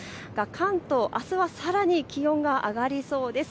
関東、あすはさらに気温が上がりそうです。